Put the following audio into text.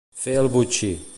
Fer el botxí.